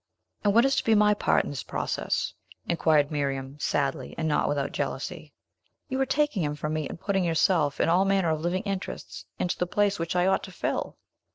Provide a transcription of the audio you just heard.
"And what is to be my part in this process?" inquired Miriam sadly, and not without jealousy. "You are taking him from me, and putting yourself, and all manner of living interests, into the place which I ought to fill!"